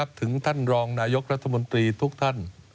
ถึงท่านรองนายกรัฐมนตรีทุกท่าน